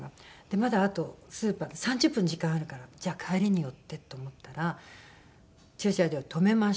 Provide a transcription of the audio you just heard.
でまだあとスーパーって３０分時間あるからじゃあ帰りに寄ってと思ったら駐車場止めました。